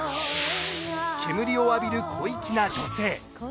煙を浴びる小粋な女性。